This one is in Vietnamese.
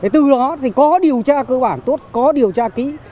từ đó có điều tra cơ bản tốt có điều tra kỹ